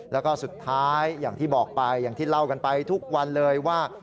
แล้วก็สุดท้ายอย่างที่บอกไปอย่างที่เล่ากันไปทุกวันเลยว่า